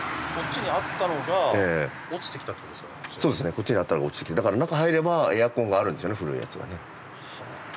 こっちにあったのが落ちてきてだから中入ればエアコンがあるんでしょうね古いやつがね。